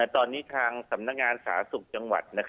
ตอนนี้ทางสำนักงานสาธารณสุขจังหวัด